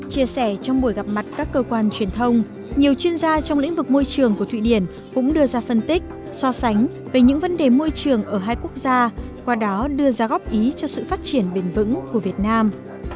chia sẻ trong buổi gặp mặt các cơ quan truyền thông nhiều chuyên gia trong lĩnh vực môi trường của thụy điển cũng đưa ra phân tích so sánh về những vấn đề môi trường ở hai quốc gia qua đó đưa ra góp ý cho sự phát triển bền vững của việt nam